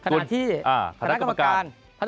ขณะที่คณะกรรมการ